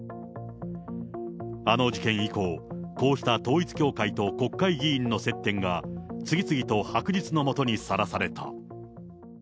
あの事件以降、こうした統一教会と国会議員の接点が、次々と白日の下にさらされた。